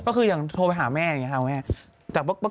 ก็คืออย่างโทรไปหาแม่อย่างนี้ค่ะคุณแม่